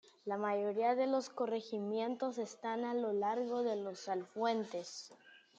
La mayoría de los corregimientos están a lo largo de los afluentes.